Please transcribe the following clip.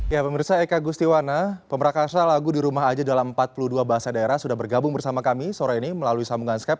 ya pemirsa eka gustiwana pemerkasa lagu di rumah aja dalam empat puluh dua bahasa daerah sudah bergabung bersama kami sore ini melalui sambungan skype